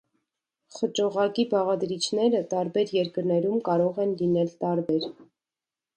Խճողակի բաղադրիչները տարբեր երկրներում կարող են լինել տարբեր։